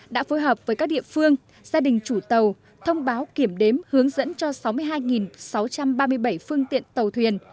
đã phối hợp với các địa phương gia đình chủ tàu thông báo kiểm đếm hướng dẫn cho sáu mươi hai sáu trăm ba mươi bảy phương tiện tàu thuyền